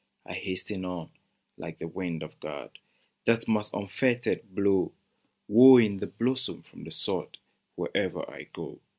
I hasten on, like the wind of God, That must unfettered blow, Wooing the blossom from the sod Where'er I go.